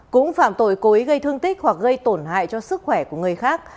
cũng phạm tội cố ý gây thương tích hoặc gây tổn hại cho sức khỏe của người khác